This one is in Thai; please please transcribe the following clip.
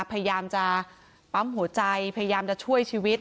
พยายามจะปั๊มหัวใจพยายามจะช่วยชีวิต